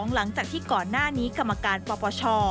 หลังจากที่ก่อนหน้านี้กรรมการปปช